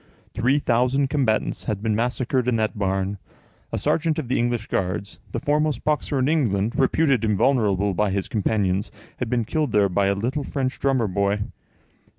Three thousand combatants had been massacred in that barn. A sergeant of the English Guards, the foremost boxer in England, reputed invulnerable by his companions, had been killed there by a little French drummer boy.